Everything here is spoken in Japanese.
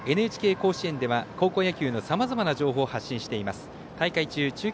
ＮＨＫ甲子園では高校野球のさまざまな情報をお届けしています。